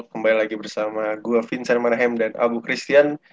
kembali lagi bersama gue vincent manahem dan abu christian